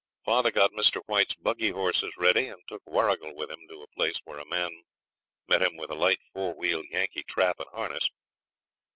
Father got Mr. White's buggy horses ready and took Warrigal with him to a place where a man met him with a light four wheeled Yankee trap and harness.